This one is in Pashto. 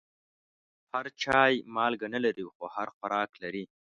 هر چای مالګه نه لري، خو هر خوراک لري.